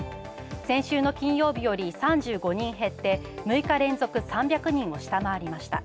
先週の金曜日より３５人減って６日連続３００人を下回りました。